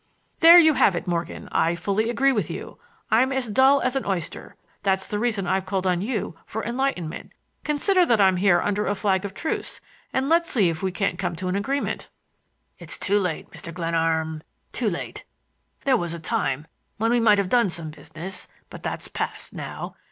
"There you have it, Morgan! I fully agree with you! I'm as dull as an oyster; that's the reason I've called on you for enlightenment. Consider that I'm here under a flag of truce, and let's see if we can't come to an agreement." "It's too late, Mr. Glenarm; too late. There was a time when we might have done some business; but that's past now.